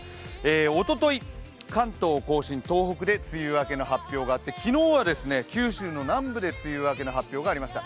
おととい、関東甲信、東北で梅雨明けの発表があって昨日は九州南部で梅雨明けの発表がありました。